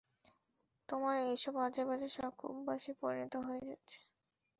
তোমার এসব আজেবাজে শখ অভ্যাসে পরিণত হয়ে যাচ্ছে।